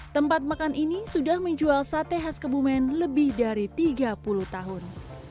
tempat makan ini sudah menjual sate khas kebumen lebih dari tiga puluh tahun